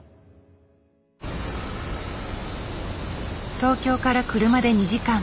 東京から車で２時間。